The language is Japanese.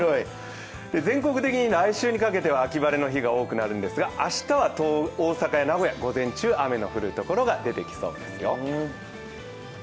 全国的に来週にかけては秋晴れの日が多くなるんですが明日は大阪や名古屋、午前中、雨が降る所が出てきそうです。